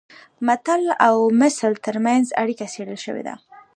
د متل او مثل ترمنځ اړیکه څېړل شوې ده